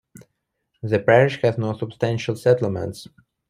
The parish has no substantial settlements.